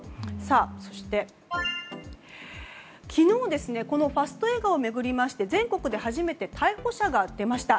そして、昨日このファスト映画を巡りまして全国で初めて逮捕者が出ました。